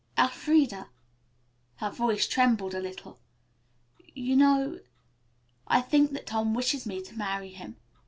"Elfreda," her voice trembled a little, "you know, I think, that Tom wishes me to marry him.